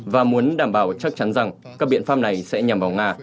và muốn đảm bảo chắc chắn rằng các biện pháp này sẽ nhằm vào nga